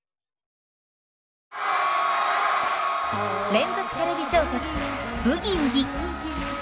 連続テレビ小説「ブギウギ」。